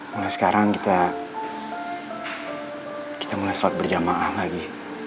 mulai sekarang kita mulai sholat berjamaah lagi